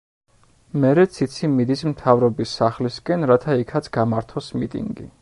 მერე ციცი მიდის მთავრობის სახლისკენ, რათა იქაც გამართოს მიტინგი.